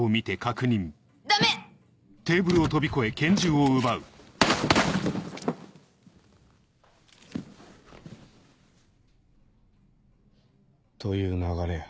ダメ！という流れや。